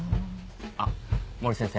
あっ森先生。